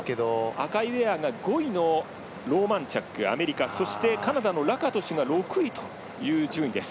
赤いウェアが５位のローマンチャックアメリカそしてカナダのラカトシュが６位という順位です。